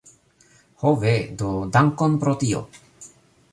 Ho ve, do dankon pro tio.